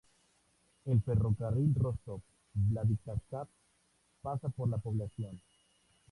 El ferrocarril Rostov-Vladikavkaz pasa por la población.